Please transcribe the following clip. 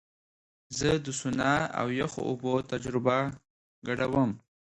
زه د سونا او یخو اوبو تجربه ګډوم.